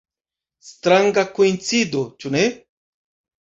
Stranga koincido, ĉu ne?